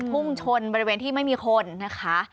พุ่งชนบริเวณที่ไม่มีคนนะคะ